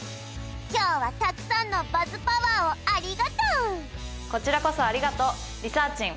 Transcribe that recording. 今日はたくさんのＢＵＺＺパワーをありがとうこちらこそありがとうリサーちん